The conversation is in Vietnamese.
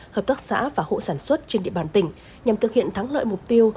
hợp tác xã và hộ sản xuất trên địa bàn tỉnh nhằm thực hiện thắng lợi mục tiêu